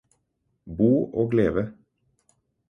Bo og leve